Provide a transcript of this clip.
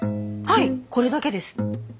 はいこれだけです。